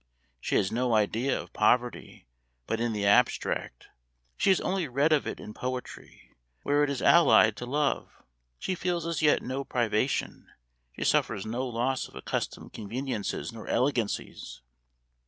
She has no idea of poverty but in the abstract; she has only read of it in poetry, where it is allied to love. She feels as yet no privation; she suffers no loss of accustomed conveniences nor elegancies.